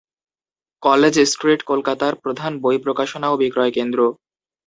College Street কলকাতার প্রধান বই প্রকাশনা ও বিক্রয় কেন্দ্র।